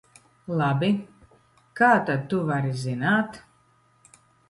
Labi, kā tad tu vari zināt?